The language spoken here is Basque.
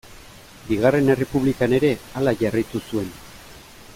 Bigarren Errepublikan ere hala jarraitu zuen.